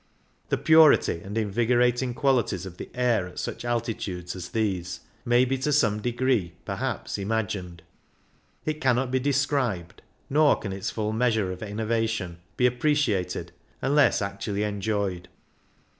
The purity and in vigorating qualities of the air at such altitudes as these may be to some de gree, perhaps, imagined ; it cannot be described, nor can its full measure of innervation be appreciated unless actually enjoyed.